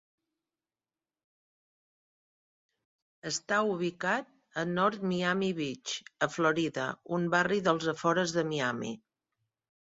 Està ubicat a North Miami Beach, a Florida, un barri dels afores de Miami.